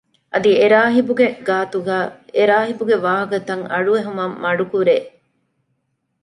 އަދި އެރާހިބުގެ ގާތުގައި އެރާހިބުގެ ވާހަކަތައް އަޑުއެހުމަށް މަޑުކުރޭ